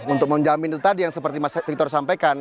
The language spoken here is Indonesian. untuk menjamin itu tadi yang seperti mas victor sampaikan